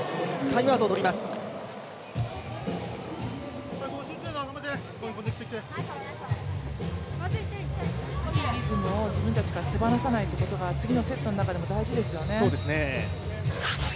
いいリズムを自分たちの中で持つというのが次のセットの中でも大事ですよね。